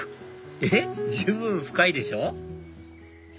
えっ⁉十分深いでしょ？